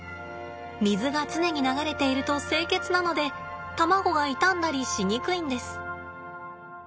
水が常に流れていると清潔なので卵が傷んだりしにくいんです。